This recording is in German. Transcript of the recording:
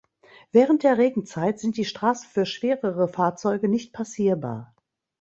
Während der Regenzeit sind die Straßen für schwerere Fahrzeuge nicht passierbar.